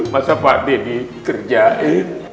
masa pak dedi kerjain